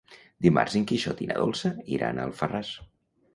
Dimarts en Quixot i na Dolça iran a Alfarràs.